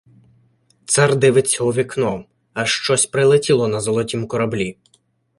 Цар дивиться у вікно — аж щось прилетіло на золотім кораблі.